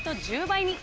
１０倍に。